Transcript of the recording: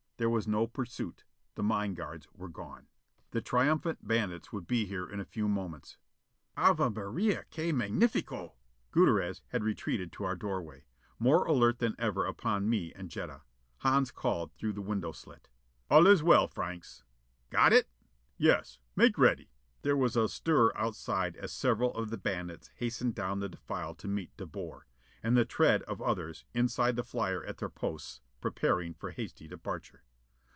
There was no pursuit; the mine guards were gone. The triumphant bandits would be here in a few moments. "Ave Maria, que magnifico!" Gutierrez had retreated to our doorway, more alert than ever upon me and Jetta. Hans called through the window slit: "All is well, Franks!" "Got it?" "Yes! Make ready." There was a stir outside as several of the bandits hastened down the defile to meet De Boer. And the tread of others, inside the flyer at their posts, preparing for hasty departure.